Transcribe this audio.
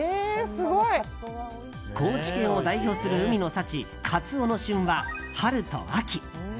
高知県を代表する海の幸カツオの旬は春と秋。